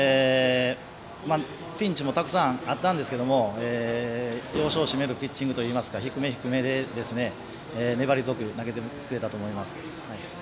ピンチもたくさんあったんですけど要所を締めるピッチングというか低め低めで粘り強く投げてくれたと思います。